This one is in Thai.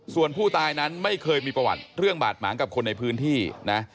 ส่วนผู้ตายนั้นไม่เคยมีประวัติเรื่องบาดหมางกับคนในพื้นที่นะ